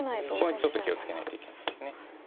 そこはちょっと気を付けないといけないです。